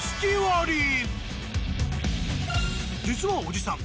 実はおじさん